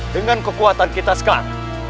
dengan kekuatan kita sekarang